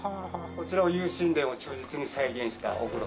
こちらは又新殿を忠実に再現したお風呂と。